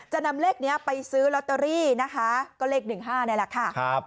จะนำเลขนี้ไปซื้อลอตเตอรี่นะคะก็เลข๑๕นี่แหละค่ะ